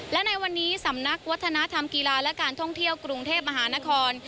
และในวันนี้สำนักวัฒนธรรมกีฬาและการท่องเที่ยวกรุงเทพมหานคร